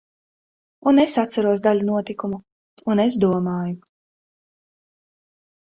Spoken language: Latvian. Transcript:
Un es atceros daļu notikumu, un es domāju.